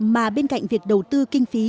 mà bên cạnh việc đầu tư kinh phí